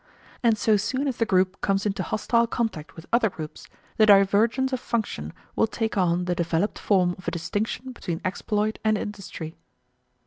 And so soon as the group comes into hostile contact with other groups, the divergence of function will take on the developed form of a distinction between exploit and industry.